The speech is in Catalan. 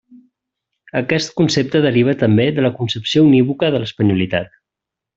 Aquest concepte deriva també de la concepció unívoca de l'espanyolitat.